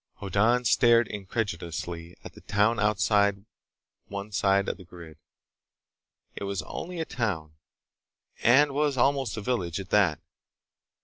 Hoddan stared incredulously at the town outside one side of the grid. It was only a town—and was almost a village, at that.